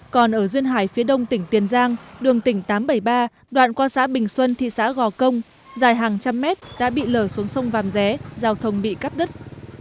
còn ở duyên hải phía đông tỉnh tiền giang đường tỉnh tám trăm bảy mươi ba đoạn qua xã bình xuân thị xã gò công dài hàng trăm mét đã bị lở xuống sông vàm ré giao thông bị cắt đứt